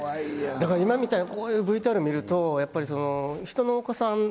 だから今みたいなこういうＶＴＲ見るとやっぱり。